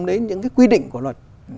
đến những cái quy định của luật